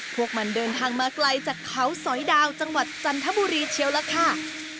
พวกมันเดินทางมาไกลจากเขาสอยดาวจังหวัดจันทบุรีเชียวล่ะค่ะ